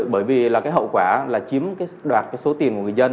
bởi vì hậu quả là chiếm đoạt số tiền của người dân